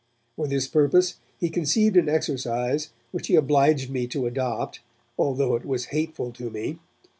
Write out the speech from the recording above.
For this purpose he conceived an exercise which he obliged me to adopt, although it was hateful to me.